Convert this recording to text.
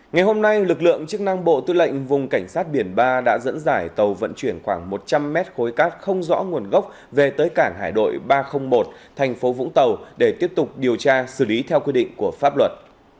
ngày hôm nay lực lượng chức năng bộ tư lệnh vùng cảnh sát biển ba đã dẫn dải tàu vận chuyển khoảng một trăm linh mét khối cát không rõ nguồn gốc về tới cảng hải đội ba trăm linh một thành phố vũng tàu để tiếp tục điều tra xử lý theo quy định của pháp luật